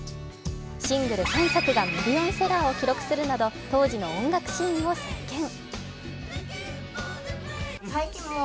シングル３作がミリオンセラーを記録するなど当時の音楽シーンを席けん。